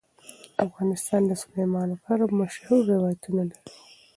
افغانستان د سلیمان غر مشهور روایتونه لري.